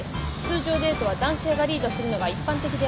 通常デートは男性がリードするのが一般的であること。